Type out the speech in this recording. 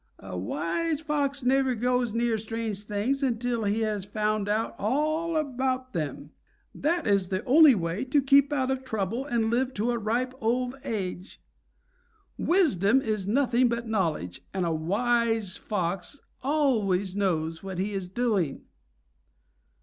A wise Fox never goes near strange things until he has found out all about them. That is the only way to keep out of trouble and live to a ripe old age. Wisdom is nothing but knowledge, and a wise Fox always knows what he is doing."